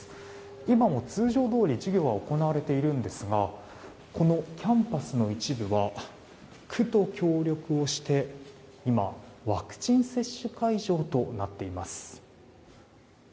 今も通常どおり授業は行われているんですがこのキャンパスの一部は区と協力をして今、ワクチン接種会場となっています。